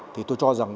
thì tôi cho rằng